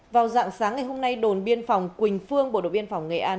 vào dạng sáng ngày hôm nay đồn biên phòng quỳnh phương bộ đội biên phòng nghệ an